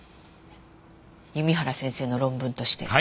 弓原先生の論文として。